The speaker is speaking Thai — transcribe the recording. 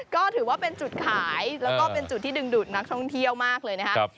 ก็ถือว่าเป็นจุดขายแล้วก็เป็นจุดที่ดึงดูดนักท่องเที่ยวมากเลยนะครับ